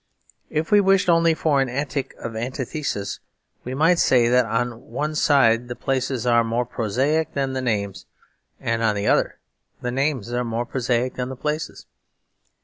If we wished only for an antic of antithesis, we might say that on one side the places are more prosaic than the names and on the other the names are more prosaic than the places.